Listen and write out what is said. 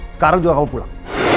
sekarang juga kamu pulang